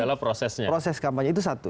adalah proses kampanye itu satu